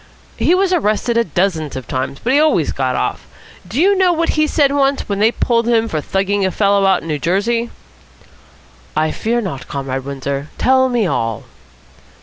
"He was arrested dozens of times, but he always got off. Do you know what he said once, when they pulled him for thugging a fellow out in New Jersey?" "I fear not, Comrade Windsor. Tell me all."